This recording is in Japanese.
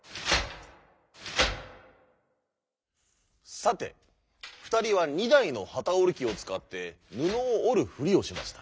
さてふたりは２だいのはたおりきをつかってぬのをおるふりをしました。